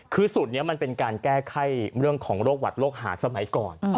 คือสูตรนี้มันเป็นการแก้ไข้เรื่องของโรคหวัดโรคหาสมัยก่อน